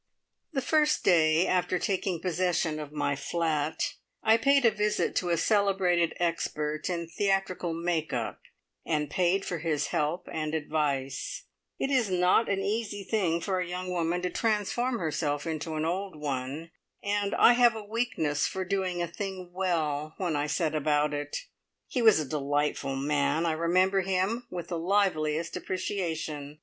The first day after taking possession of my flat, I paid a visit to a celebrated expert in theatrical "make up," and paid for his help and advice. It is not an easy thing for a young woman to transform herself into an old one, and I have a weakness for doing a thing well, when I set about it. He was a delightful man! I remember him with the liveliest appreciation.